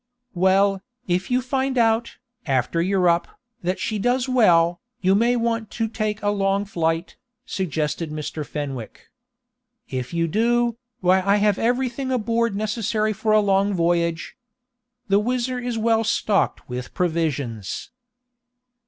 "Well, if you find out, after you're up, that she does well, you may want to take a long flight," suggested Mr. Fenwick. "If you do, why I have everything aboard necessary for a long voyage. The WHIZZER is well stocked with provisions."